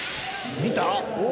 見た？